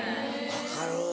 分かる。